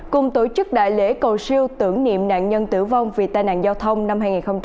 cùng tổ chức đại lễ cầu siêu tưởng niệm nạn nhân tử vong vì tai nạn giao thông năm hai nghìn hai mươi